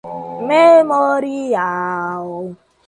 memorial